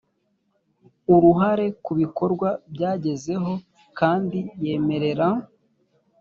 uruhare ku bikorwa yagezeho kandi yemerera